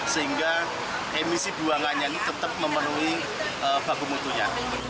sehingga emisi buangannya ini tetap memenuhi bagumutunya